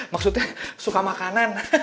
maksudnya suka makanan